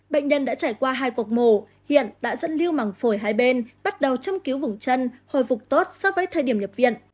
bệnh nhân đã trải qua hai cuộc mổ hiện đã dẫn lưu màng phổi hai bên bắt đầu châm cứu vùng chân hồi phục tốt so với thời điểm nhập viện